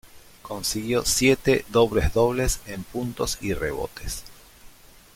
Consiguió siete dobles-dobles en puntos y rebotes.